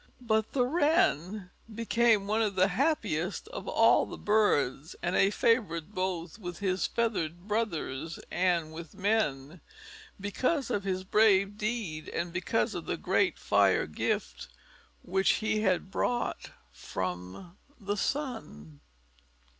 But the Wren became one of the happiest of all the birds, and a favorite both with his feathered brothers and with men, because of his brave deed, and because of the great fire gift which he had brought from the sun.